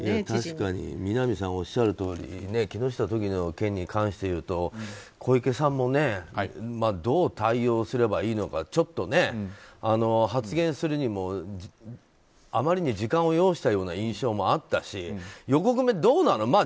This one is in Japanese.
確かに南さんがおっしゃるとおり木下都議の件に関していうと小池さんもどう対応すればいいのかちょっと発言するにもあまりに時間を要したような印象もあったし横粂、どうなの？